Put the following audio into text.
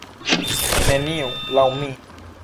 Neniu, laŭ mi.